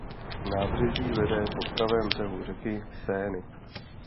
Nábřeží vede po pravém břehu řeky Seiny.